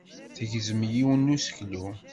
Tegzem yiwen n useklu.